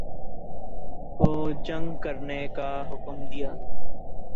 کو جنگ کرنے کا حکم دیا